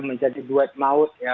menjadi duit maut ya